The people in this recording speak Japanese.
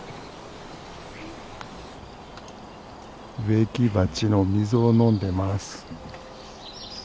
植木鉢の水を飲んでます。